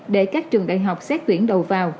để các trường đại học xét tuyển đầu vào